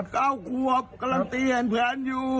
ก้าวควบการ์รังตีแห่งแผนอยู่